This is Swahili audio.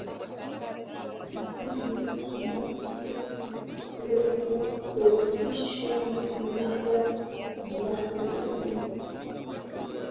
kipindi cha miaka sita akiweza kurudishwa mara moja madarakani anaweza